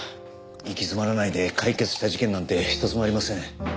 行き詰まらないで解決した事件なんて一つもありません。